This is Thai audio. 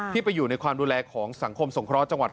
ไปอยู่ในความดูแลของสังคมสงเคราะห์จังหวัด